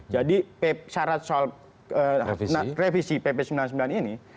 jadi syarat soal revisi pp sembilan puluh sembilan ini